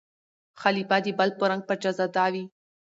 خلیفه د بل په رنګ پاچا زاده وي